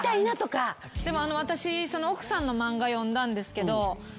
でも私奥さんの漫画読んだんですけど。